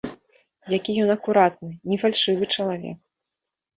Які ён акуратны, не фальшывы чалавек!